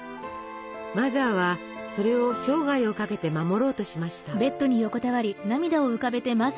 マザーはそれを生涯をかけて守ろうとしました。